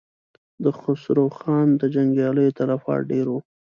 د خسرو خان د جنګياليو تلفات ډېر و.